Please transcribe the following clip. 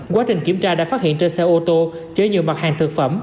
quá trình kiểm tra đã phát hiện trên xe ô tô chứa nhiều mặt hàng thực phẩm